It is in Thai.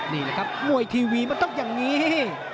นี่แหละครับมวยทีวีมันต้องอย่างนี้